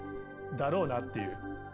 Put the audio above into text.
だろうなっていう。